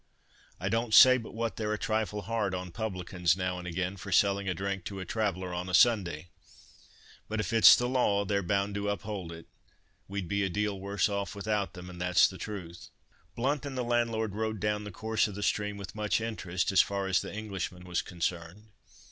I don't say but what they're a trifle hard on publicans now and again for selling a drink to a traveller on a Sunday. But if it's the law, they're bound to uphold it. We'd be a deal worse off without them, and that's the truth." Blount and the landlord rode down the course of the stream with much interest, as far as the Englishman was concerned.